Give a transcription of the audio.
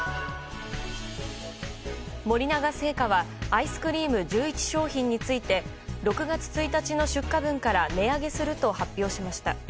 森永製菓はアイスクリーム１１商品について６月１日の出荷分から値上げすると発表しました。